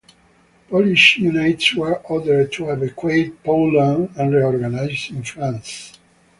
Polish units were ordered to evacuate Poland and reorganize in France.